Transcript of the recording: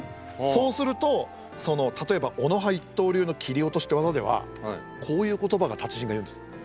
そうすると例えば小野派一刀流の切落って技ではこういう言葉が達人が言うんです。